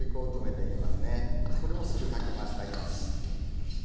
これもすぐかき回してあげます。